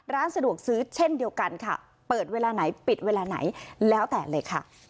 ร้านสะดวกซื้อเช่นเดียวกันค่ะเปิดเวลาไหนปิดเวลาไหนแล้วแต่เลยค่ะ